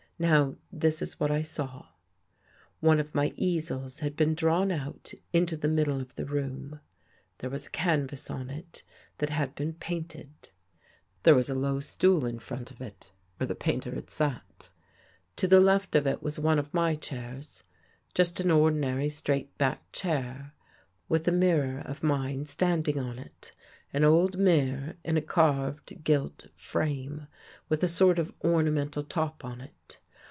Now this is what I saw: One of my easels had been drawn out into the middle of the room. There was a canvas on it that had been painted; there was a low stool in front of it where 4 41 THE GHOST GIRL the painter had sat. To the left of it was one of my chairs, just an ordinary straight backed chair, with a mirror of mine standing on it — an old mirror in a carved gilt frame, with a sort of ornamental top on it.